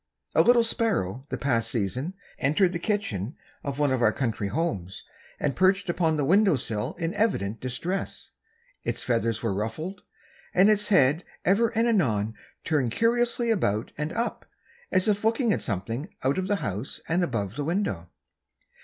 A little sparrow the past season entered the kitchen of one of our country homes, and perched upon the window sill in evident distress. Its feathers were ruffled, and its head ever and anon turned curiously around and up, as if looking at something out of the house and above the window.